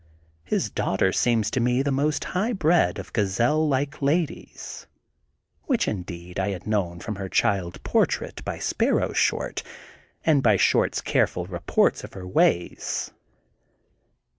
His daughter seems to me the most high bred of gazelle like la dies, which, indeed, I had known from her child portrait by Sparrow Short and by Short's careful report of her ways.